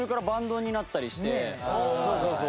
そうそうそう。